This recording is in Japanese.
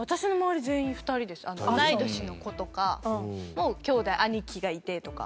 同い年の子とかもきょうだい兄貴がいてとか。